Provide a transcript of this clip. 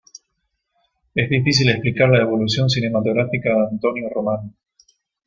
Es difícil explicar la evolución cinematográfica de Antonio Román.